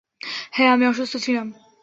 হ্যাঁ, আমি অসুস্থ ছিলাম।